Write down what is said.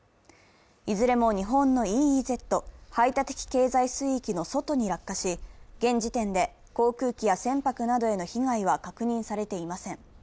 いずれも日本のＥＥＺ＝排他的経済水域の外に落下し、現時点で航空機や船舶などへの被害は確認されていません。